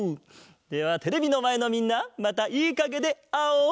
ではテレビのまえのみんなまたいいかげであおう！